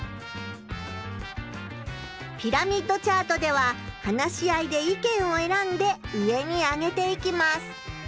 ピラミッドチャートでは話し合いで意見をえらんで上にあげていきます。